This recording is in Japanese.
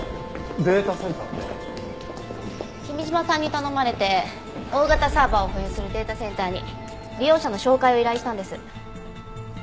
君嶋さんに頼まれて大型サーバーを保有するデータセンターに利用者の照会を依頼したんです。